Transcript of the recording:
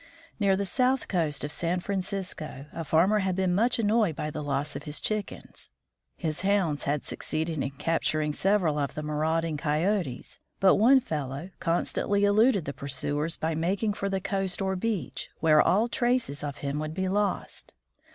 Near the south coast of San Francisco a farmer had been much annoyed by the loss of his Chickens. His Hounds had succeeded in capturing several of the marauding Coyotes, but one fellow constantly eluded the pursuers by making for the coast or beach, where all traces of him would be lost.